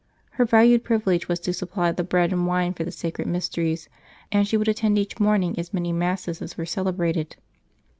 Her valued privilege was to supply the bread and wine for the Sacred Mysteries, and she would attend each morning as many Masses as were celebrated.